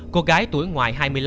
cô gái tuổi ngoài hai mươi năm